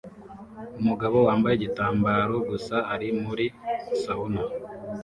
Umugabo wambaye igitambaro gusa ari muri sauna